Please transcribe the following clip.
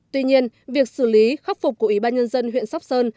tuy nhiên việc xử lý khắc phục của ủy ban nhân dân huyện sóc sơn